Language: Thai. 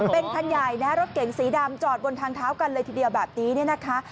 เป็นคันใหญ่นะรถเก๋งสีดำจอดบนทางเท้ากันเลยทีเดียวแบบนี้เนี่ยนะคะ